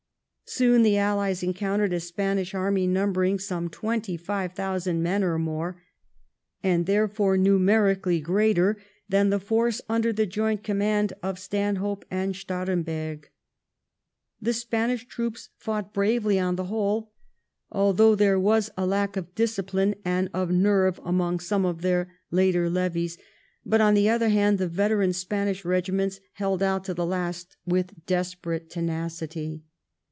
Soon the Allies encountered a Spanish army numbering some 25,000 men or more, and therefore numerically greater than the force under the joint command of Stanhope and Staremberg. The Spanish troops fought bravely on the whole, although there was a lack of discipline and of nerve among some of their later levies ; but, on the other hand, the veteran Spanish regiments held out to the last with desperate tenacity.